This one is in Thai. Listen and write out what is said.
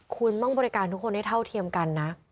คุณต้องบริการทุกคนให้เท่าเทียมกันนะ